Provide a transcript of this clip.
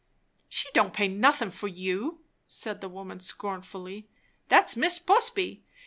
"She don't pay nothin' for you!" said the woman scornfully. "That's Mis' Busby!